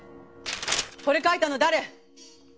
これ描いたの誰！？